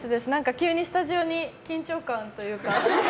急にスタジオに緊張感というか。